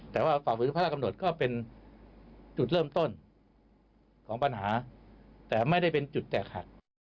แต่ว่าฝ่าฝืนพระราชกำหนดก็เป็นจุดเริ่มต้นของปัญหาแต่ไม่ได้เป็นจุดแตกหัก